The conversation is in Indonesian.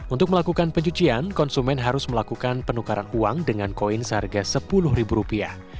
untuk melakukan pencucian konsumen harus melakukan penukaran uang dengan koin seharga sepuluh ribu rupiah